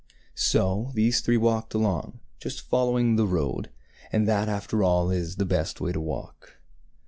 So these three walked along, just following the road; and that, after all, is the best way to walk.